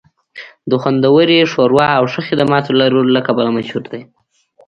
د خوندورې ښوروا او ښه خدماتو لرلو له کبله مشهور دی